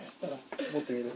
持ってみる？